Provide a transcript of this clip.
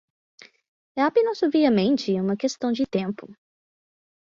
É apenas obviamente uma questão de tempo.